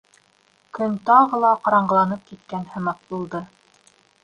Көн тағы ла ҡараңғыланып киткән һымаҡ булды.